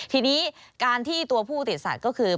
ทีนี้การที่ตัวผู้ติดสัตว์ก็คือ